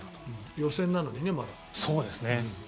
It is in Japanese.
予選なのにね、まだ。